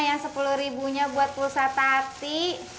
yang sepuluh ribunya buat pulsa tati